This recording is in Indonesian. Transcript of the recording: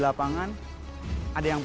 wah langsung terpungkap